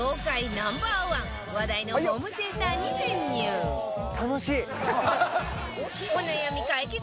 ナンバーワン話題のホームセンターに潜入。を発表！